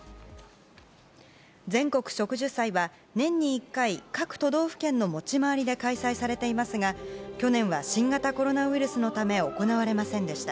全国植樹祭は年に１回各都道府県の持ち回りで開催されていますが去年は新型コロナウイルスのため行われませんでした。